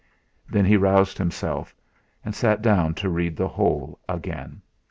Then he roused himself, and sat down to read the whole again.